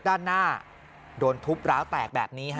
ด้านหน้าโดนทุบร้าวแตกแบบนี้ฮะ